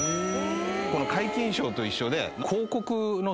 この皆勤賞と一緒で。